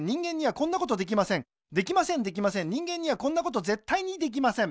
できませんできません人間にはこんなことぜったいにできません